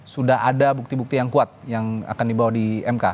sudah ada bukti bukti yang kuat yang akan dibawa di mk